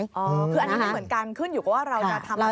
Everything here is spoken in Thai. คืออันนี้ไม่เหมือนกันขึ้นอยู่กับว่าเราจะทำอะไร